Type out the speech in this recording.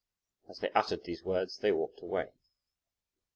As they uttered these words, they walked away.